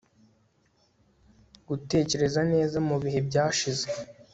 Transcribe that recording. gutekereza neza mu bihe byashize